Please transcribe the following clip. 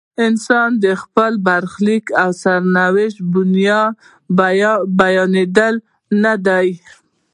انسانان د خپل برخلیک او سرنوشت بندیان نه دي.